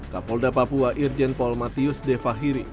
kapolda papua irjen paul matius de fahiri